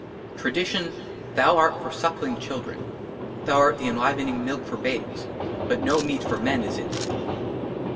J9 47 XLV TRADITION, THOU ART FOR SUCKLING CHIL DREN, THOU ART THE ENLIVENING MILK FOR BABES ; BUT NO MEAT FOR MEN IS IN THEE.